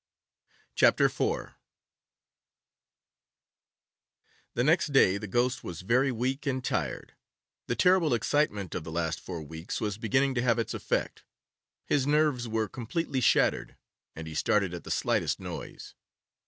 CHAPTER IV THE next day the ghost was very weak and tired. The terrible excitement of the last four weeks was beginning to have its effect. His nerves were completely shattered, and he started at the slightest noise.